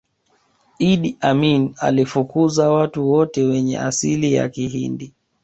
iddi amini alifukuza watu wote wenye asili ya kihindi